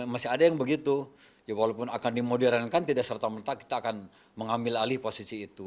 masih ada yang begitu ya walaupun akan dimodernkan tidak serta merta kita akan mengambil alih posisi itu